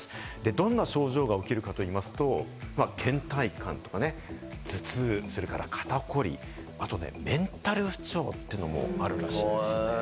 どんな症状が起きるかといいますと、倦怠感ですとか、頭痛、肩こり、あとメンタル不調というのもあるらしいです。